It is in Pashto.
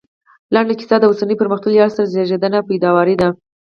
لنډه کيسه د اوسني پرمختللي عصر زېږنده او پيداوار دی